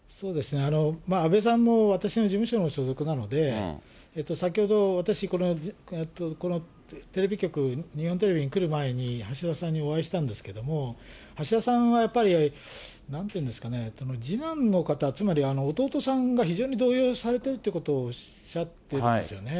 阿部さんも、私の事務所の所属なので、先ほど、私、このテレビ局、日本テレビに来る前に橋田さんにお会いしたんですけれども、橋田さんはやっぱり、なんていうんですかね、次男の方、つまり弟さんが非常に動揺されているということをおっしゃってるんですよね。